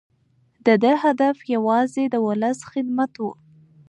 د ده هدف یوازې د ولس خدمت دی.